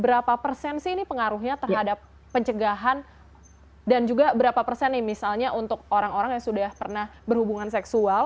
berapa persen sih ini pengaruhnya terhadap pencegahan dan juga berapa persen nih misalnya untuk orang orang yang sudah pernah berhubungan seksual